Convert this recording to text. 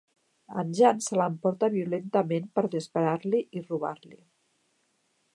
En Jan se l'emporta violentament per disparar-li i robar-li.